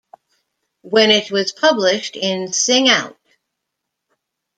When it was published in Sing Out!